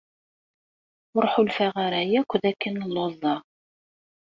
Ur ḥulfaɣ ara akk d akken lluẓeɣ.